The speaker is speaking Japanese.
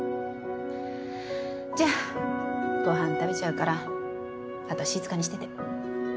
じゃあご飯食べちゃうからあとは静かにしてて。